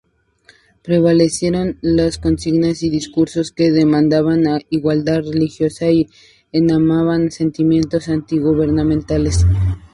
Prevalecieron las consignas y discursos que demandaban igualdad religiosa y emanaban sentimientos antigubernamentales.